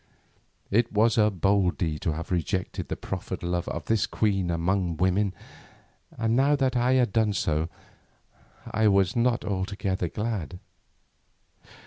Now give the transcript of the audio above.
It was a bold deed to have rejected the proffered love of this queen among women, and now that I had done so I was not altogether glad.